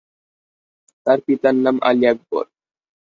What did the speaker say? তার পিতার নাম আলী আকবর।